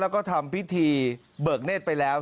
แล้วก็ทำพิธีเบิกเนธไปแล้ว